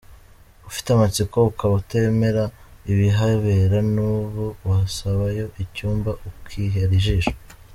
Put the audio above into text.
Ufite amatsiko ukaba utemera ibihabera n’ubu wasabayo icyumba ukihera ijisho.